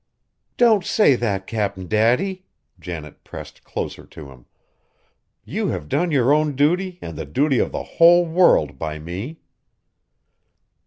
"Don't say that, Cap'n Daddy!" Janet pressed closer to him. "You have done your own duty and the duty of the whole world by me!"